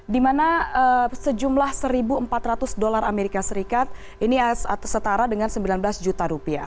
di mana sejumlah satu empat ratus dolar amerika serikat ini setara dengan sembilan belas juta rupiah